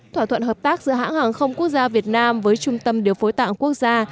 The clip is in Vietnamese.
thỏa thuận hợp tác giữa hãng hàng không quốc gia việt nam với trung tâm điều phối tạng quốc gia